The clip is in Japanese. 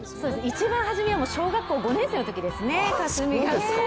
一番初めは小学校５年生のときですね、佳純が。